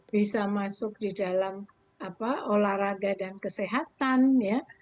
bisa masuk di dalam olahraga dan kesehatan ya